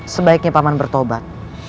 sebaiknya paman bertobat